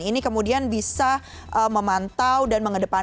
ini kemudian bisa memantau dan mengedepankan